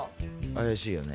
怪しいよね。